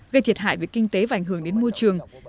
gây thiệt hại về kinh tế và ảnh hưởng đến môi trường